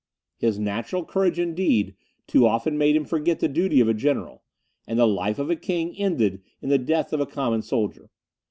His natural courage, indeed, too often made him forget the duty of a general; and the life of a king ended in the death of a common soldier.